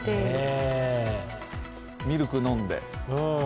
ミルクを飲んで。